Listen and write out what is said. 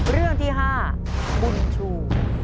เรื่องที่๕บุญชู